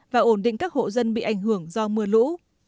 và ổn định các hộ dân bị ảnh hưởng do mưa lũ